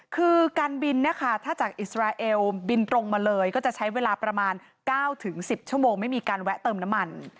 คือการบินเนี่ยค่ะถ้าจากอิสราเอลบินตรงมาเลยก็จะใช้เวลาประมาณ๙๑๐ชั่วโมงไม่มีการแวะเติมน้ำมัน